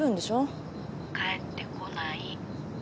☎帰ってこない。